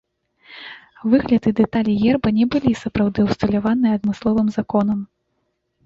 Выгляд і дэталі герба не былі сапраўды ўсталяваныя адмысловым законам.